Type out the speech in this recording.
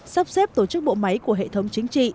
sắp xếp tổ chức bộ máy của hệ thống chính trị